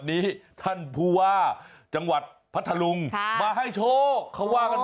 หูยท่านผู้ว่ามาให้โชค